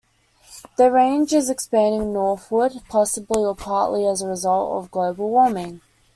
Their range is expanding northward, possibly or partly as a result of global warming.